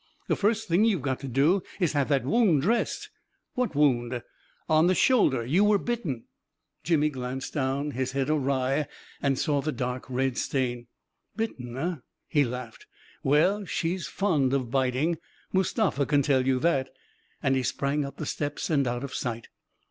The first thing you've got to do is to have that wound) dressed." "What wound?" " On the shoulder — you were bitten ..." 376 A KING IN BABYLON Jimmy glanced down, his head awry, and saw the dark red stain. 44 Bitten, eh ?" he laughed. " Well — she's fond of biting! Mustafa can tell you that I " And he sprang up the steps and out of sight.